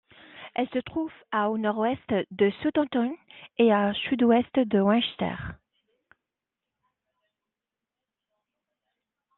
Elle se trouve à au nord-ouest de Southampton et à au sud-ouest de Winchester.